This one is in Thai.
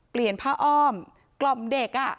เปลี่ยนพ่ออ้อมกล่อมเด็ก